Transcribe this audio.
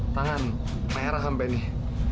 tangan merah sampai nih